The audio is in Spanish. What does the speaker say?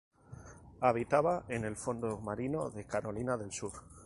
Habitaba en el fondo marino de Carolina del Sur.